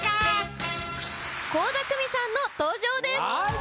倖田來未さんの登場です！